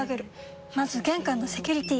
まず玄関のセキュリティ！